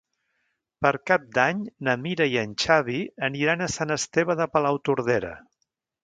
Per Cap d'Any na Mira i en Xavi aniran a Sant Esteve de Palautordera.